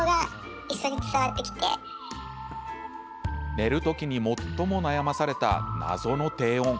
寝る時に最も悩まされた謎の低音。